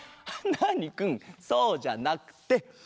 ナーニくんそうじゃなくて。